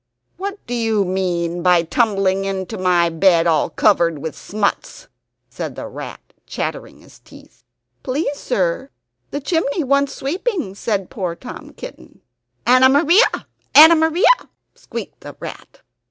"What do you mean by tumbling into my bed all covered with smuts?" said the rat, chattering his teeth. "Please, sir, the chimney wants sweeping," said poor Tom Kitten. "Anna Maria! Anna Maria!" squeaked the rat.